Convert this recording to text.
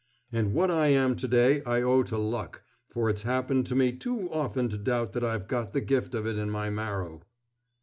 And what I am to day I owe to luck, for it's happened to me too often to doubt that I've got the gift of it in my marrow."